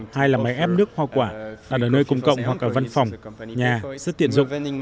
hai là máy ép nước hoa quả đặt ở nơi công cộng hoặc ở văn phòng nhà rất tiện dụng